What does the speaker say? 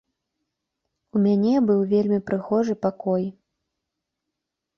У мяне быў вельмі прыгожы пакой.